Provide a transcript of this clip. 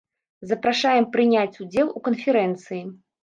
Запрашаем прыняць удзел у канферэнцыі.